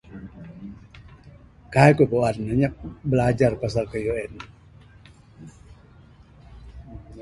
Kaii ku puan ne anyap bilajar pasal kayuh en.